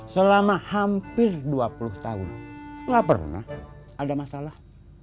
selama hampir dua puluh tahun gak pernah ada masalah